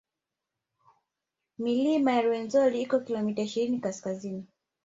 Milima ya Rwenzori iko kilomita ishirini kaskazini